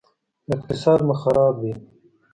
اقتصاد مو خراب دی